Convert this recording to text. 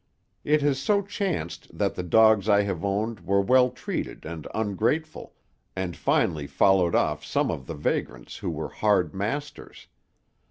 It has so chanced that the dogs I have owned were well treated and ungrateful, and finally followed off some of the vagrants who were hard masters.